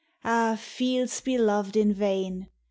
Ah, fields beloved in vain!